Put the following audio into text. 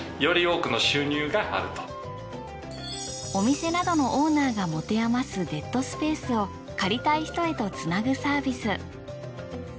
お店などのオーナーが持て余すデッドスペースを借りたい人へとつなぐサービス。